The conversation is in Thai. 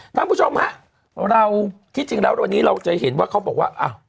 ท่านผู้ชมฮะเราที่จริงแล้ววันนี้เราจะเห็นว่าเขาบอกว่า